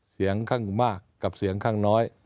เสียงข้างมากกับเสียงข้างน้อย